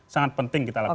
sangat penting kita lakukan